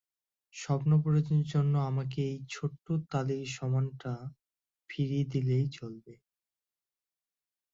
স্বপ্ন পূরণের জন্য আমাকে ওই ছোট্ট তালিসমানটা ফিরিয়ে দিলেই চলবে।